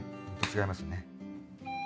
違いますね。